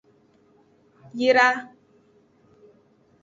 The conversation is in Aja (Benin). Nyra.